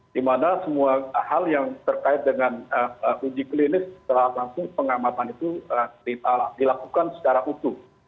di mana semua hal yang terkait dengan uji klinis telah langsung pengamatan itu dilakukan secara utuh